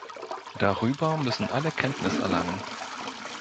Darüber müssen alle Kenntnis erlangen.